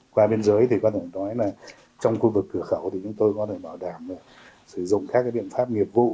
qua biên giới thì có thể nói là trong khu vực cửa khẩu thì chúng tôi có thể bảo đảm sử dụng các biện pháp nghiệp vụ